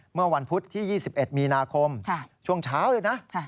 เมื่อวันพุธที่๒๑มีนาคมช่วงเช้าเลยนะ